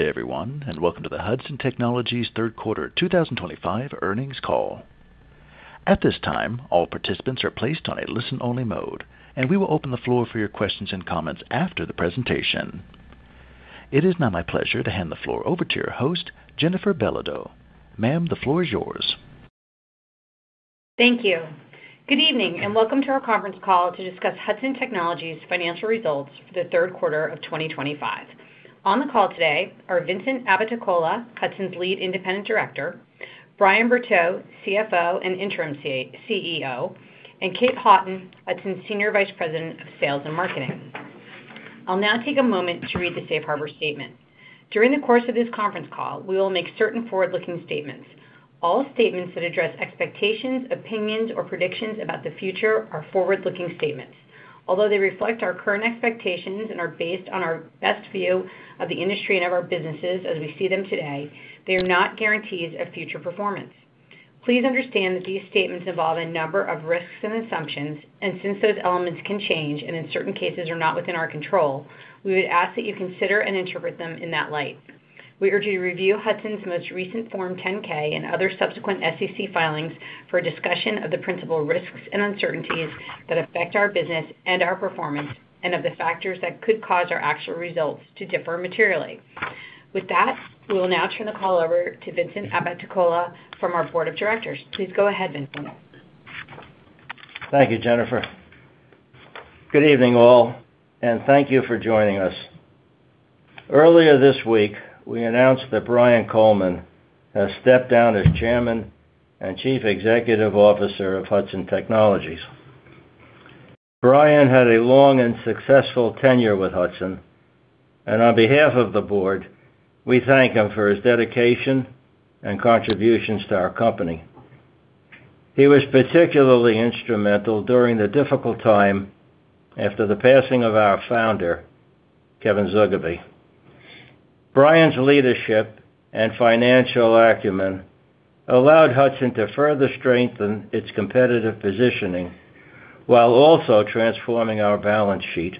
Good day, everyone, and welcome to the Hudson Technologies' Third Quarter 2025 earnings call. At this time, all participants are placed on a listen-only mode, and we will open the floor for your questions and comments after the presentation. It is now my pleasure to hand the floor over to your host, Jennifer Bellido. Ma'am, the floor is yours. Thank you. Good evening and welcome to our conference call to discuss Hudson Technologies' financial results for the third quarter of 2025. On the call today are Vincent Abbatecola, Hudson's lead independent director; Brian Bertolini, CFO and interim CEO; and Kate Harrington, Hudson's Senior Vice President of Sales and Marketing. I'll now take a moment to read the Safe Harbor statement. During the course of this conference call, we will make certain forward-looking statements. All statements that address expectations, opinions, or predictions about the future are forward-looking statements. Although they reflect our current expectations and are based on our best view of the industry and of our businesses as we see them today, they are not guarantees of future performance. Please understand that these statements involve a number of risks and assumptions, and since those elements can change and in certain cases are not within our control, we would ask that you consider and interpret them in that light. We urge you to review Hudson's most recent Form 10-K and other subsequent SEC filings for discussion of the principal risks and uncertainties that affect our business and our performance and of the factors that could cause our actual results to differ materially. With that, we will now turn the call over to Vincent Abbatecola from our board of directors. Please go ahead, Vincent. Thank you, Jennifer. Good evening, all, and thank you for joining us. Earlier this week, we announced that Brian Coleman has stepped down as Chairman and Chief Executive Officer of Hudson Technologies. Brian had a long and successful tenure with Hudson, and on behalf of the board, we thank him for his dedication and contributions to our company. He was particularly instrumental during the difficult time after the passing of our founder, Kevin J. Zugibe. Brian's leadership and financial acumen allowed Hudson to further strengthen its competitive positioning while also transforming our balance sheet.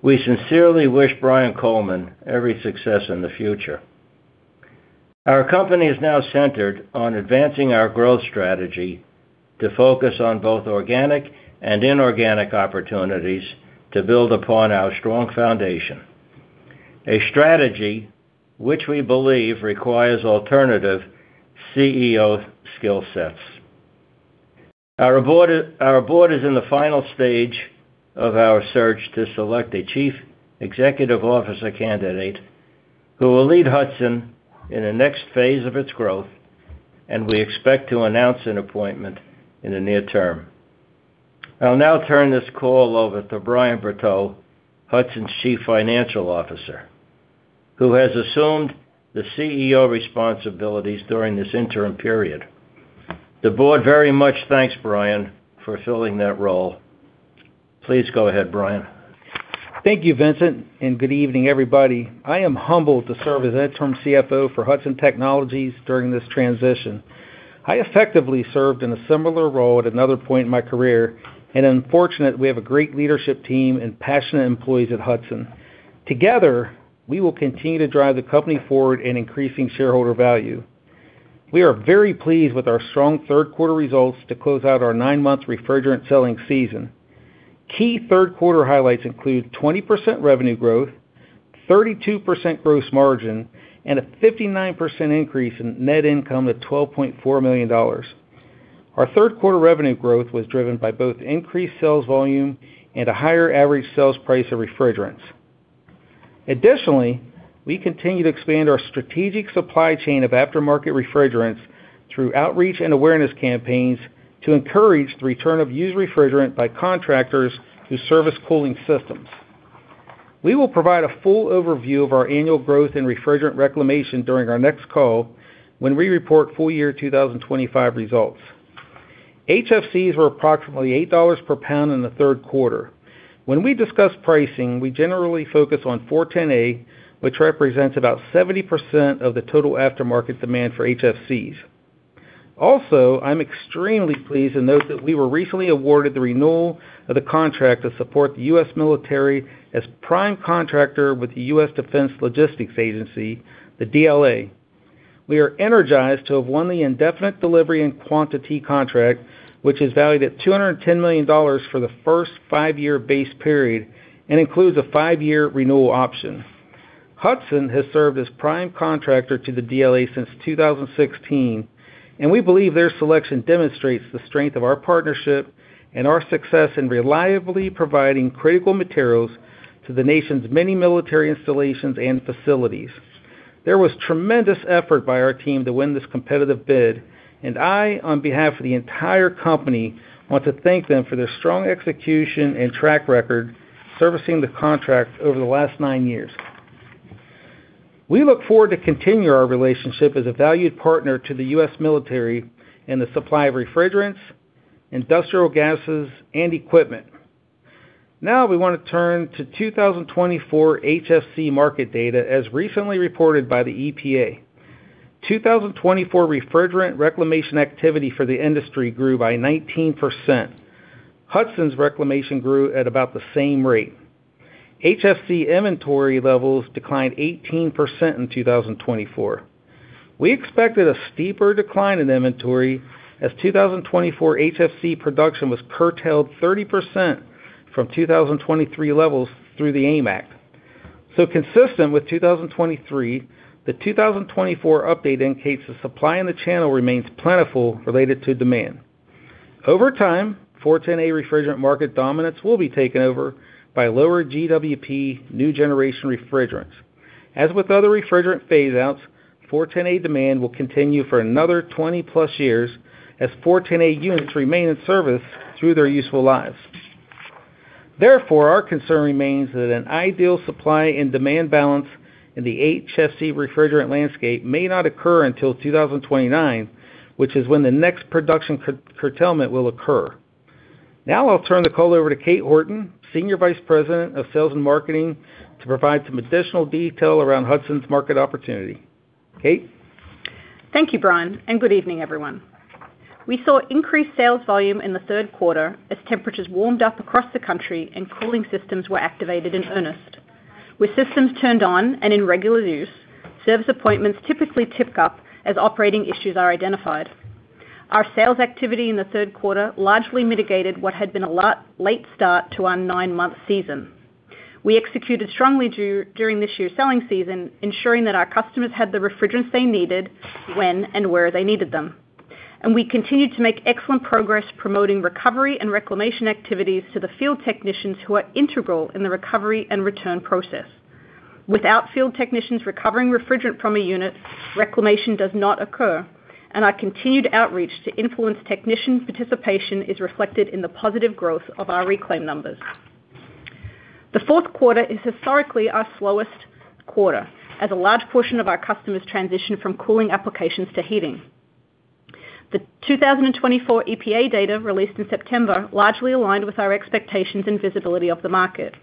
We sincerely wish Brian Coleman every success in the future. Our company is now centered on advancing our growth strategy to focus on both organic and inorganic opportunities to build upon our strong foundation. A strategy which we believe requires alternative CEO skill sets. Our board is in the final stage of our search to select a chief executive officer candidate who will lead Hudson in the next phase of its growth, and we expect to announce an appointment in the near term. I'll now turn this call over to Brian Bertolini, Hudson's chief financial officer, who has assumed the CEO responsibilities during this interim period. The board very much thanks Brian for filling that role. Please go ahead, Brian. Thank you, Vincent, and good evening, everybody. I am humbled to serve as interim CFO for Hudson Technologies during this transition. I effectively served in a similar role at another point in my career, and I'm fortunate we have a great leadership team and passionate employees at Hudson. Together, we will continue to drive the company forward in increasing shareholder value. We are very pleased with our strong third quarter results to close out our nine-month refrigerant selling season. Key third quarter highlights include 20% revenue growth, 32% gross margin, and a 59% increase in net income to $12.4 million. Our third quarter revenue growth was driven by both increased sales volume and a higher average sales price of refrigerants. Additionally, we continue to expand our strategic supply chain of aftermarket refrigerants through outreach and awareness campaigns to encourage the return of used refrigerant by contractors who service cooling systems. We will provide a full overview of our annual growth and refrigerant reclamation during our next call when we report full year 2025 results. HFCs were approximately $8 per pound in the third quarter. When we discuss pricing, we generally focus on 410A, which represents about 70% of the total aftermarket demand for HFCs. Also, I'm extremely pleased to note that we were recently awarded the renewal of the contract to support the U.S. military as prime contractor with the U.S. Defense Logistics Agency, the DLA. We are energized to have won the indefinite delivery and quantity contract, which is valued at $210 million for the first five-year base period and includes a five-year renewal option. Hudson has served as prime contractor to the DLA since 2016, and we believe their selection demonstrates the strength of our partnership and our success in reliably providing critical materials to the nation's many military installations and facilities. There was tremendous effort by our team to win this competitive bid, and I, on behalf of the entire company, want to thank them for their strong execution and track record servicing the contract over the last nine years. We look forward to continuing our relationship as a valued partner to the U.S. military in the supply of refrigerants, industrial gases, and equipment. Now, we want to turn to 2024 HFC market data as recently reported by the EPA. 2024 refrigerant reclamation activity for the industry grew by 19%. Hudson's reclamation grew at about the same rate. HFC inventory levels declined 18% in 2024. We expected a steeper decline in inventory as 2024 HFC production was curtailed 30% from 2023 levels through the AIM Act. Consistent with 2023, the 2024 update indicates the supply in the channel remains plentiful related to demand. Over time, R-410A refrigerant market dominance will be taken over by lower GWP new generation refrigerants. As with other refrigerant phase-outs, R-410A demand will continue for another 20-plus years as R-410A units remain in service through their useful lives. Therefore, our concern remains that an ideal supply and demand balance in the HFC refrigerant landscape may not occur until 2029, which is when the next production curtailment will occur. Now, I'll turn the call over to Kate Harrington, Senior Vice President of Sales and Marketing, to provide some additional detail around Hudson's market opportunity. Kate. Thank you, Brian, and good evening, everyone. We saw increased sales volume in the third quarter as temperatures warmed up across the country and cooling systems were activated in earnest. With systems turned on and in regular use, service appointments typically tipped up as operating issues are identified. Our sales activity in the third quarter largely mitigated what had been a late start to our nine-month season. We executed strongly during this year's selling season, ensuring that our customers had the refrigerants they needed when and where they needed them. We continued to make excellent progress promoting recovery and reclamation activities to the field technicians who are integral in the recovery and return process. Without field technicians recovering refrigerant from a unit, reclamation does not occur, and our continued outreach to influence technician participation is reflected in the positive growth of our reclaim numbers. The fourth quarter is historically our slowest quarter as a large portion of our customers transition from cooling applications to heating. The 2024 EPA data released in September largely aligned with our expectations and visibility of the market.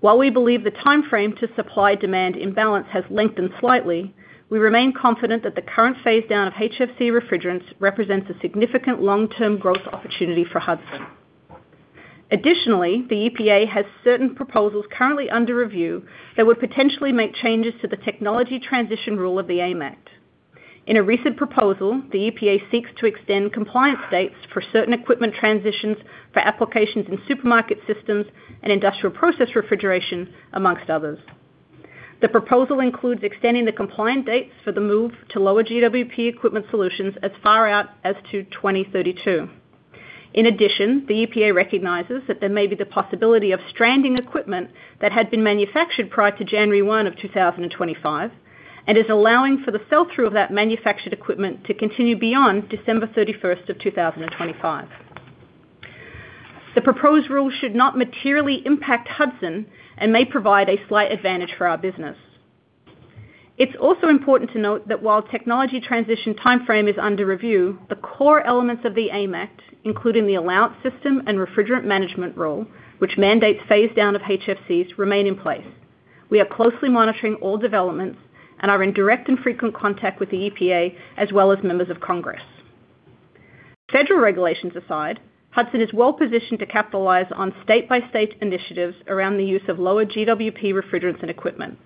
While we believe the timeframe to supply-demand imbalance has lengthened slightly, we remain confident that the current phase-down of HFC refrigerants represents a significant long-term growth opportunity for Hudson. Additionally, the EPA has certain proposals currently under review that would potentially make changes to the Technology Transition Rule of the AIM Act. In a recent proposal, the EPA seeks to extend compliance dates for certain equipment transitions for applications in supermarket systems and industrial process refrigeration, amongst others. The proposal includes extending the compliance dates for the move to lower GWP equipment solutions as far out as to 2032. In addition, the EPA recognizes that there may be the possibility of stranding equipment that had been manufactured prior to January 1 of 2025 and is allowing for the sell-through of that manufactured equipment to continue beyond December 31 of 2025. The proposed rule should not materially impact Hudson and may provide a slight advantage for our business. It's also important to note that while the technology transition timeframe is under review, the core elements of the AIM Act, including the allowance system and Refrigerant Management Rule, which mandates phase-down of HFCs, remain in place. We are closely monitoring all developments and are in direct and frequent contact with the EPA as well as members of Congress. Federal regulations aside, Hudson is well positioned to capitalize on state-by-state initiatives around the use of lower GWP refrigerants and equipment.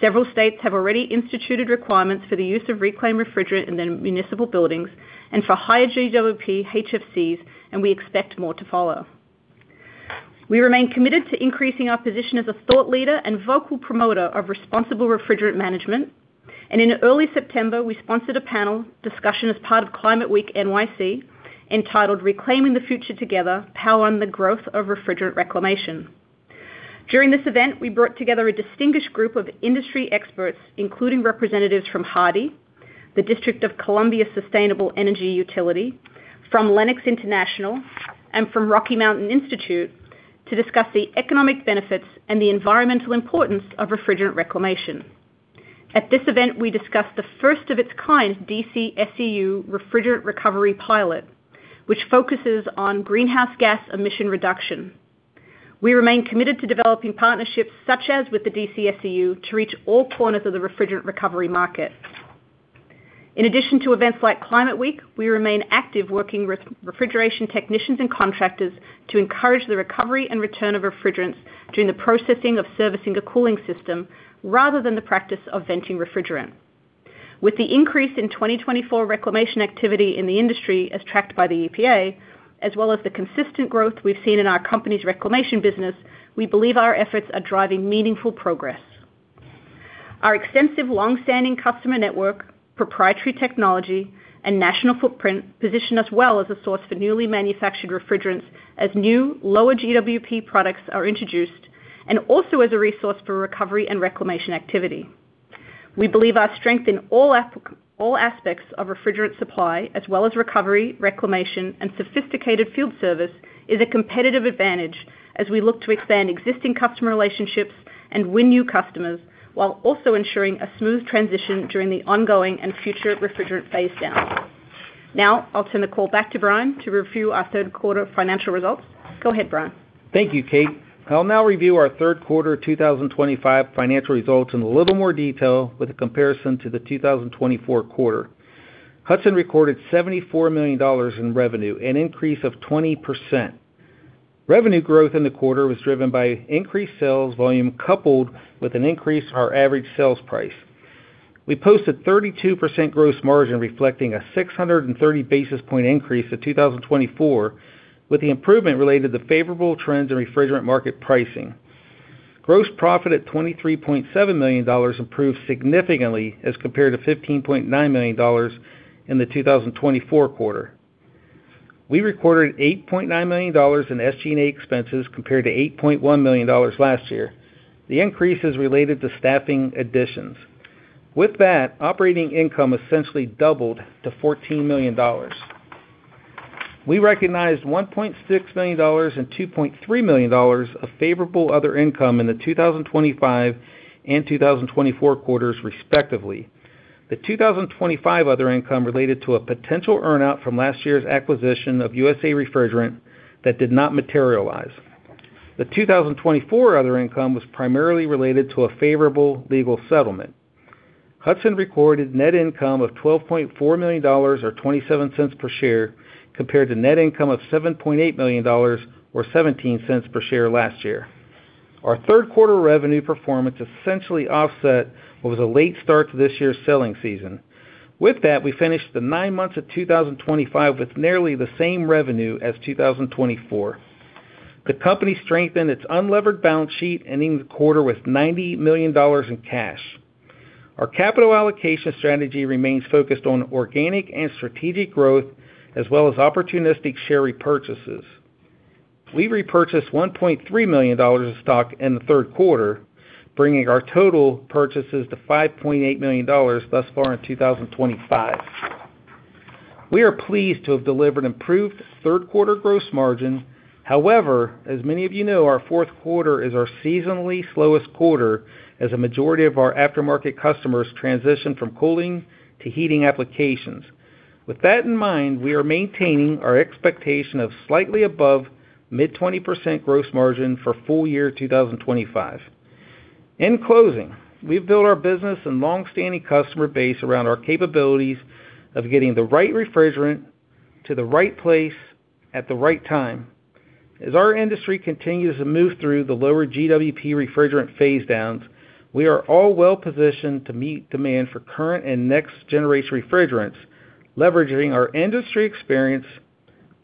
Several states have already instituted requirements for the use of reclaimed refrigerant in their municipal buildings and for higher GWP HFCs, and we expect more to follow. We remain committed to increasing our position as a thought leader and vocal promoter of responsible refrigerant management, and in early September, we sponsored a panel discussion as part of Climate Week NYC entitled, "Reclaiming the Future Together: Power and the Growth of Refrigerant Reclamation." During this event, we brought together a distinguished group of industry experts, including representatives from HARDI, the District of Columbia Sustainable Energy Utility, from Lennox International, and from Rocky Mountain Institute, to discuss the economic benefits and the environmental importance of refrigerant reclamation. At this event, we discussed the first-of-its-kind DCSEU refrigerant recovery pilot, which focuses on greenhouse gas emission reduction. We remain committed to developing partnerships such as with the DCSEU to reach all corners of the refrigerant recovery market. In addition to events like Climate Week, we remain active working with refrigeration technicians and contractors to encourage the recovery and return of refrigerants during the processing of servicing a cooling system rather than the practice of venting refrigerant. With the increase in 2024 reclamation activity in the industry as tracked by the EPA, as well as the consistent growth we've seen in our company's reclamation business, we believe our efforts are driving meaningful progress. Our extensive, long-standing customer network, proprietary technology, and national footprint position us well as a source for newly manufactured refrigerants as new, lower GWP products are introduced, and also as a resource for recovery and reclamation activity. We believe our strength in all aspects of refrigerant supply, as well as recovery, reclamation, and sophisticated field service, is a competitive advantage as we look to expand existing customer relationships and win new customers while also ensuring a smooth transition during the ongoing and future refrigerant phase-down. Now, I'll turn the call back to Brian to review our third quarter financial results. Go ahead, Brian. Thank you, Kate. I'll now review our third quarter 2025 financial results in a little more detail with a comparison to the 2024 quarter. Hudson recorded $74 million in revenue, an increase of 20%. Revenue growth in the quarter was driven by increased sales volume coupled with an increase in our average sales price. We posted 32% gross margin, reflecting a 630 basis point increase to 2024, with the improvement related to the favorable trends in refrigerant market pricing. Gross profit at $23.7 million improved significantly as compared to $15.9 million in the 2024 quarter. We recorded $8.9 million in SG&A expenses compared to $8.1 million last year. The increase is related to staffing additions. With that, operating income essentially doubled to $14 million. We recognized $1.6 million and $2.3 million of favorable other income in the 2025 and 2024 quarters, respectively. The 2025 other income related to a potential earnout from last year's acquisition of USA Refrigerants that did not materialize. The 2024 other income was primarily related to a favorable legal settlement. Hudson recorded net income of $12.4 million, or $0.27 per share, compared to net income of $7.8 million, or $0.17 per share last year. Our third quarter revenue performance essentially offset what was a late start to this year's selling season. With that, we finished the nine months of 2025 with nearly the same revenue as 2024. The company strengthened its unlevered balance sheet, ending the quarter with $90 million in cash. Our capital allocation strategy remains focused on organic and strategic growth, as well as opportunistic share repurchases. We repurchased $1.3 million of stock in the third quarter, bringing our total purchases to $5.8 million thus far in 2025. We are pleased to have delivered improved third quarter gross margin. However, as many of you know, our fourth quarter is our seasonally slowest quarter as a majority of our aftermarket customers transition from cooling to heating applications. With that in mind, we are maintaining our expectation of slightly above mid-20% gross margin for full year 2025. In closing, we've built our business and long-standing customer base around our capabilities of getting the right refrigerant to the right place at the right time. As our industry continues to move through the lower GWP refrigerant phase-downs, we are all well positioned to meet demand for current and next-generation refrigerants, leveraging our industry experience,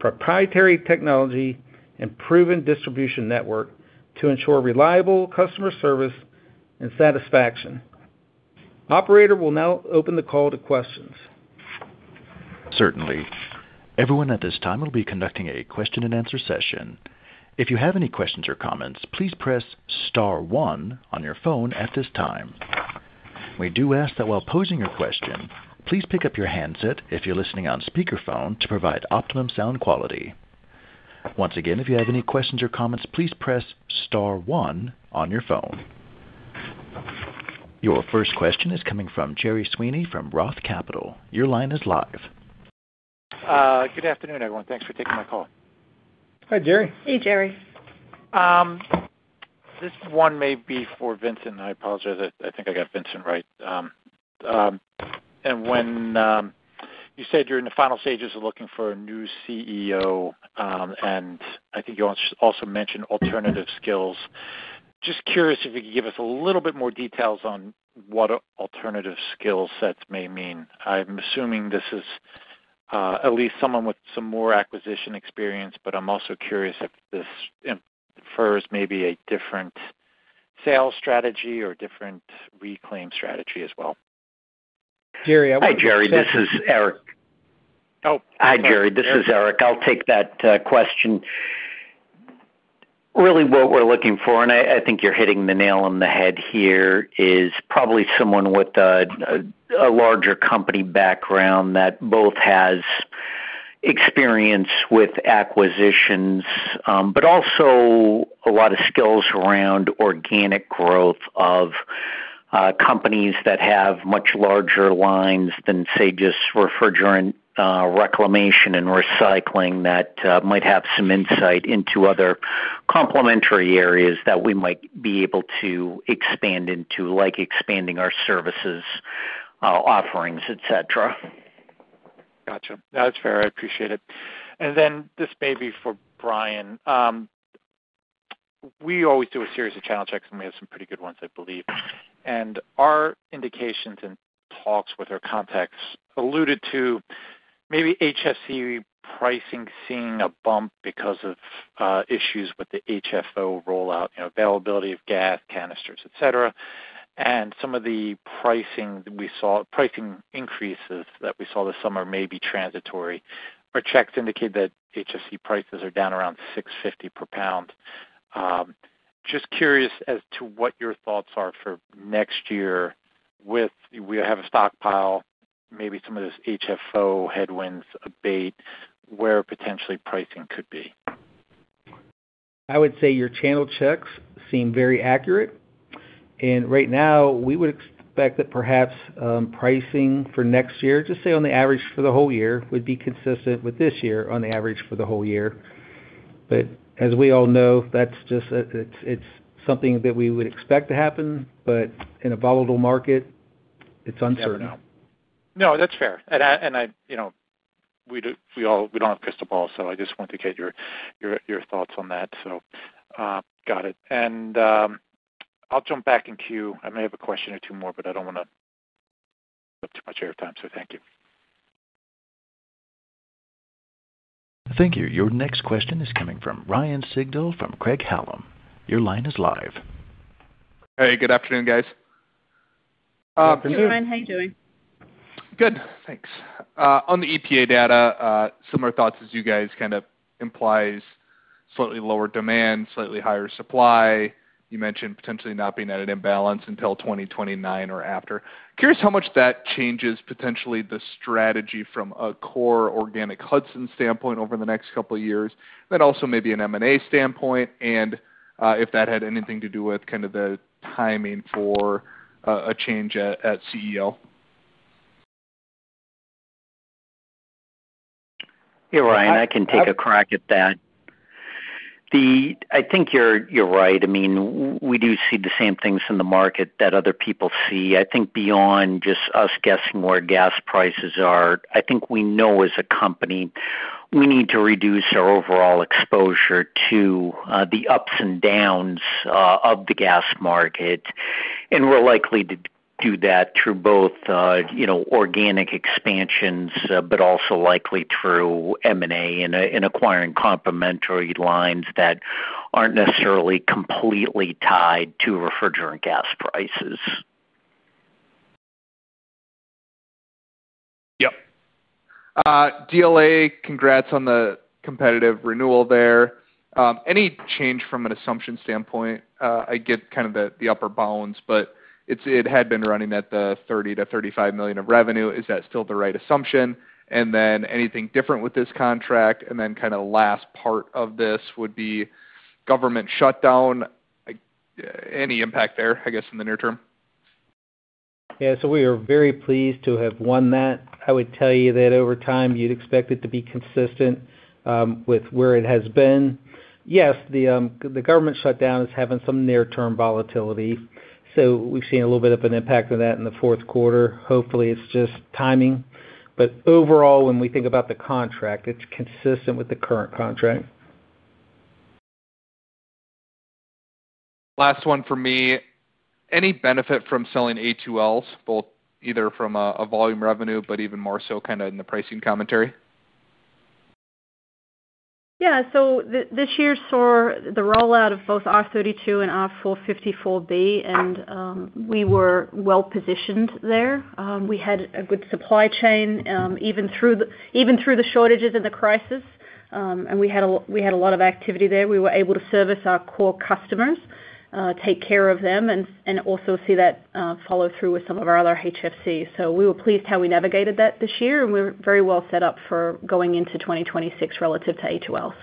proprietary technology, and proven distribution network to ensure reliable customer service and satisfaction. Operator will now open the call to questions. Certainly. Everyone at this time will be conducting a question-and-answer session. If you have any questions or comments, please press star one on your phone at this time. We do ask that while posing your question, please pick up your handset if you're listening on speakerphone to provide optimum sound quality. Once again, if you have any questions or comments, please press star one on your phone. Your first question is coming from Gerry Sweeney from Roth Capital Partners. Your line is live. Good afternoon, everyone. Thanks for taking my call. Hi, Gerry. Hey, Gerry. This one may be for Vincent. I apologize. I think I got Vincent right. When you said you're in the final stages of looking for a new CEO, I think you also mentioned alternative skills. Just curious if you could give us a little bit more details on what alternative skill sets may mean. I'm assuming this is at least someone with some more acquisition experience, but I'm also curious if this infers maybe a different sales strategy or different reclaim strategy as well. Hi, Gerry. This is Eric. Oh, hi, Gerry. This is Eric. I'll take that question. Really, what we're looking for, and I think you're hitting the nail on the head here, is probably someone with a larger company background that both has experience with acquisitions but also a lot of skills around organic growth of companies that have much larger lines than, say, just refrigerant reclamation and recycling that might have some insight into other complementary areas that we might be able to expand into, like expanding our services offerings, etc. Gotcha. That's fair. I appreciate it. And then this may be for Brian. We always do a series of channel checks, and we have some pretty good ones, I believe. And our indications and talks with our contacts alluded to maybe HFC pricing seeing a bump because of issues with the HFO rollout, availability of gas canisters, etc. Some of the pricing increases that we saw this summer may be transitory. Our checks indicate that HFC prices are down around $6.50 per pound. Just curious as to what your thoughts are for next year with we have a stockpile, maybe some of those HFO headwinds abate, where potentially pricing could be. I would say your channel checks seem very accurate. Right now, we would expect that perhaps pricing for next year, just say on the average for the whole year, would be consistent with this year on the average for the whole year. As we all know, that's just something that we would expect to happen, but in a volatile market, it's uncertain. No, that's fair. We don't have crystal balls, so I just wanted to get your thoughts on that. Got it. I'll jump back in queue. I may have a question or two more, but I don't want to give up too much airtime. Thank you. Thank you. Your next question is coming from Ryan Sigal from Craig-Hallum. Your line is live. Hey, good afternoon, guys. Good afternoon. How are you doing? Good. Thanks. On the EPA data, similar thoughts as you guys, kind of implies slightly lower demand, slightly higher supply. You mentioned potentially not being at an imbalance until 2029 or after. Curious how much that changes potentially the strategy from a core organic Hudson standpoint over the next couple of years, and then also maybe an M&A standpoint, and if that had anything to do with kind of the timing for a change at CEO. Hey, Ryan. I can take a crack at that. I think you're right. I mean, we do see the same things in the market that other people see. I think beyond just us guessing where gas prices are, I think we know as a company we need to reduce our overall exposure to the ups and downs of the gas market. We're likely to do that through both organic expansions but also likely through M&A and acquiring complementary lines that aren't necessarily completely tied to refrigerant gas prices. DLA, congrats on the competitive renewal there. Any change from an assumption standpoint? I get kind of the upper bounds, but it had been running at the $30 million-$35 million of revenue. Is that still the right assumption? Anything different with this contract? The last part of this would be government shutdown. Any impact there, I guess, in the near term? So we are very pleased to have won that. I would tell you that over time, you'd expect it to be consistent with where it has been. Yes, the government shutdown is having some near-term volatility. We've seen a little bit of an impact of that in the fourth quarter. Hopefully, it's just timing. Overall, when we think about the contract, it's consistent with the current contract. Last one for me. Any benefit from selling A2Ls, both either from a volume revenue but even more so kind of in the pricing commentary? This year saw the rollout of both R-32 and R-454B, and we were well positioned there. We had a good supply chain even through the shortages and the crisis. We had a lot of activity there. We were able to service our core customers, take care of them, and also see that follow through with some of our other HFCs. We were pleased how we navigated that this year, and we are very well set up for going into 2026 relative to A2Ls.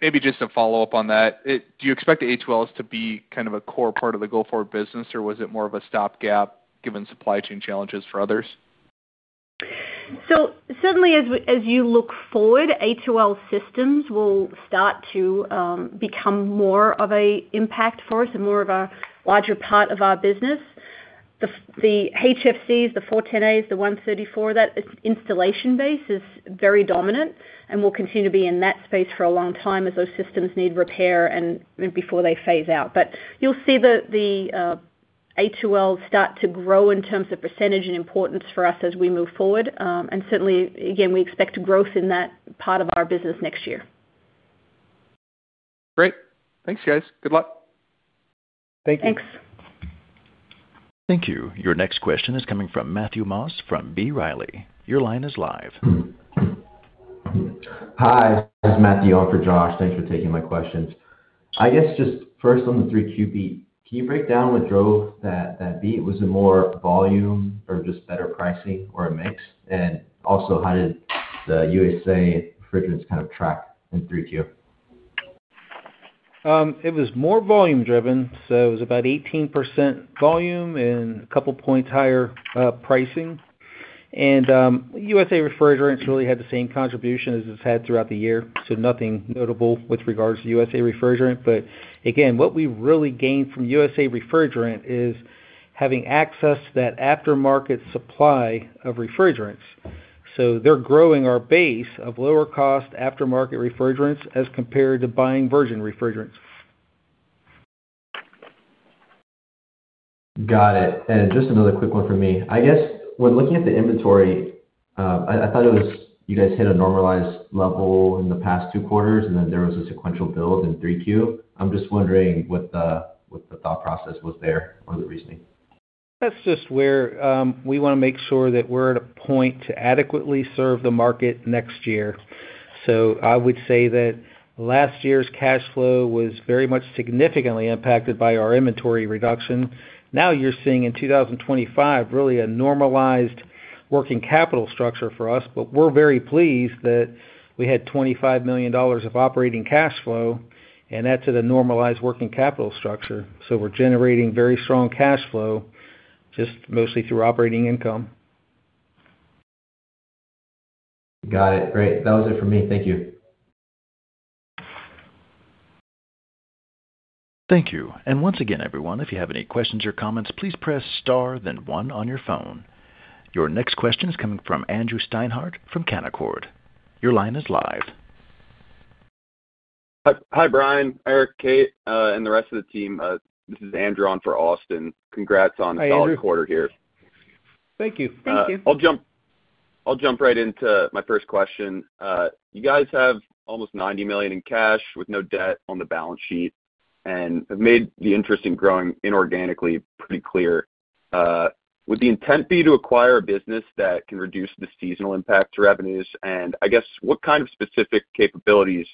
Maybe just to follow up on that, do you expect the A2Ls to be kind of a core part of the GOFOR business, or was it more of a stopgap given supply chain challenges for others? Certainly, as you look forward, A2L systems will start to become more of an impact force and more of a larger part of our business. The HFCs, the R-410A, the 134, that installation base is very dominant and will continue to be in that space for a long time as those systems need repair and before they phase out. You'll see the A2Ls start to grow in terms of percentage and importance for us as we move forward. Certainly, again, we expect growth in that part of our business next year. Great. Thanks, guys. Good luck. Thank you. Thanks. Thank you. Your next question is coming from Matthew Moss from B. Riley. Your line is live. Hi. This is Matthew for Josh. Thanks for taking my questions. I guess just first on the 3Q beat, can you break down what drove that beat? Was it more volume or just better pricing or a mix? Also, how did the USA Refrigerants kind of track in 3Q? It was more volume-driven. It was about 18% volume and a couple points higher pricing. USA Refrigerants really had the same contribution as it has had throughout the year. Nothing notable with regards to USA Refrigerants. What we really gained from USA Refrigerants is having access to that aftermarket supply of refrigerants. They are growing our base of lower-cost aftermarket refrigerants as compared to buying virgin refrigerants. Got it. Just another quick one for me. I guess when looking at the inventory, I thought you guys hit a normalized level in the past two quarters, and then there was a sequential build in 3Q. I'm just wondering what the thought process was there or the reasoning. That's just where we want to make sure that we're at a point to adequately serve the market next year. I would say that last year's cash flow was very much significantly impacted by our inventory reduction. Now you're seeing in 2025 really a normalized working capital structure for us, but we're very pleased that we had $25 million of operating cash flow, and that's at a normalized working capital structure. We're generating very strong cash flow just mostly through operating income. Got it. Great. That was it for me. Thank you. Thank you. Once again, everyone, if you have any questions or comments, please press star, then one on your phone. Your next question is coming from Andrew Steinhardt from Canaccord. Your line is live. Hi, Brian, Eric, Kate, and the rest of the team. This is Andrew on for Austin. Congrats on the dollar quarter here. Thank you. Thank you. I'll jump right into my first question. You guys have almost $90 million in cash with no debt on the balance sheet and have made the interest in growing inorganically pretty clear. Would the intent be to acquire a business that can reduce the seasonal impact to revenues? I guess, what kind of specific capabilities,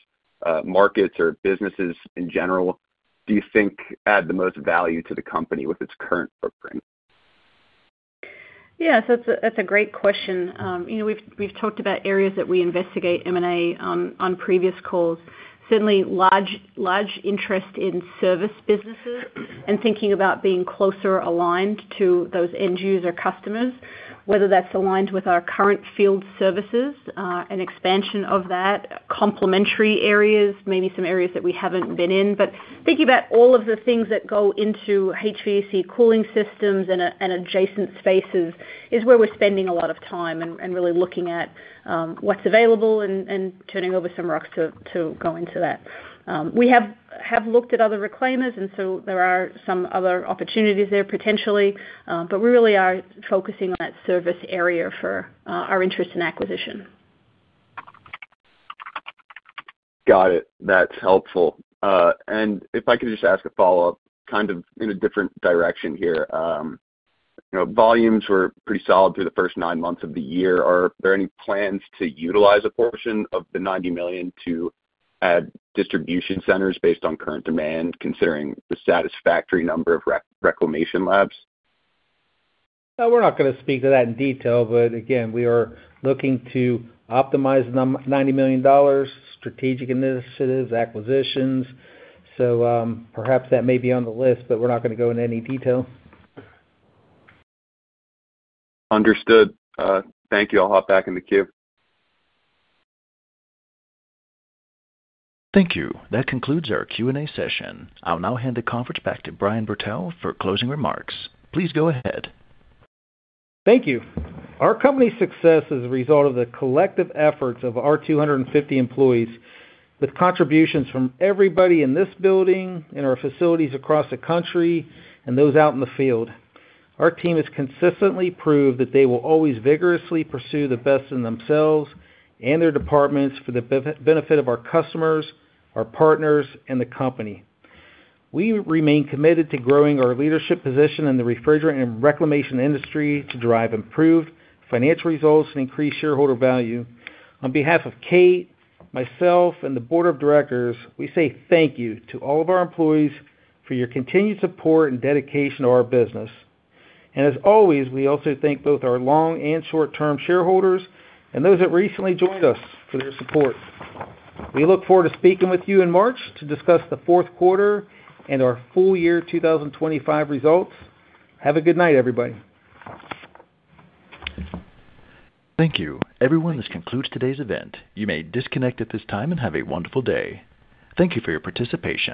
markets, or businesses in general do you think add the most value to the company with its current footprint? That's a great question. We've talked about areas that we investigate M&A on previous calls. Certainly, large interest in service businesses and thinking about being closer aligned to those end-user customers, whether that's aligned with our current field services and expansion of that, complementary areas, maybe some areas that we haven't been in. Thinking about all of the things that go into HVAC cooling systems and adjacent spaces is where we're spending a lot of time and really looking at what's available and turning over some rocks to go into that. We have looked at other reclaimers, and there are some other opportunities there potentially, but we really are focusing on that service area for our interest in acquisition. Got it. That's helpful. If I could just ask a follow-up kind of in a different direction here. Volumes were pretty solid through the first nine months of the year. Are there any plans to utilize a portion of the $90 million to add distribution centers based on current demand, considering the satisfactory number of reclamation labs? We're not going to speak to that in detail, but again, we are looking to optimize the $90 million, strategic initiatives, acquisitions. Perhaps that may be on the list, but we're not going to go into any detail. Understood. Thank you. I'll hop back into Q. Thank you. That concludes our Q&A session. I'll now hand the conference back to Brian Bertolini for closing remarks. Please go ahead. Thank you. Our company's success is a result of the collective efforts of our 250 employees with contributions from everybody in this building and our facilities across the country and those out in the field. Our team has consistently proved that they will always vigorously pursue the best in themselves and their departments for the benefit of our customers, our partners, and the company. We remain committed to growing our leadership position in the refrigerant and reclamation industry to drive improved financial results and increased shareholder value. On behalf of Kate, myself, and the board of directors, we say thank you to all of our employees for your continued support and dedication to our business. We also thank both our long and short-term shareholders and those that recently joined us for their support. We look forward to speaking with you in March to discuss the fourth quarter and our full year 2025 results. Have a good night, everybody. Thank you. Everyone, this concludes today's event. You may disconnect at this time and have a wonderful day. Thank you for your participation.